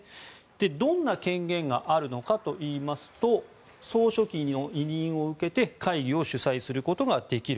どんな権限があるのかといいますと総書記の委任を受けて会議を主宰することができる。